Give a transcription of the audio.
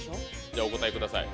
じゃあお答えください。